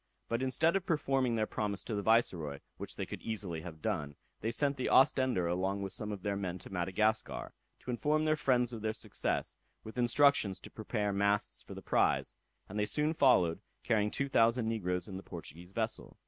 But instead of performing their promise to the Viceroy, which they could easily have done, they sent the Ostender along with some of their men to Madagascar, to inform their friends of their success, with instructions to prepare masts for the prize; and they soon followed, carrying two thousand negroes in the Portuguese vessel.